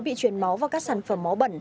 bị chuyển máu vào các sản phẩm máu bẩn